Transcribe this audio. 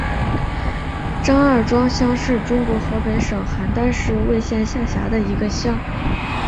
张二庄乡是中国河北省邯郸市魏县下辖的一个乡。